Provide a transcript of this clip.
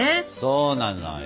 そうなのよ